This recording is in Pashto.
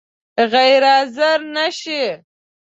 غیر حاضر نه شې؟